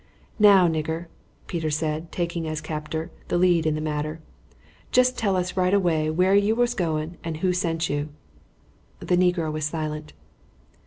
"Now, nigger," Peter said, taking, as captor, the lead in the matter, "jest tell us right away where you was going and who sent you." The negro was silent.